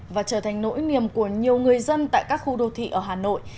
và trở thành nỗi niềm của nhiều người dân tại các khu đô thị ở hà nội